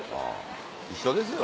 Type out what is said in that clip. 一緒ですよ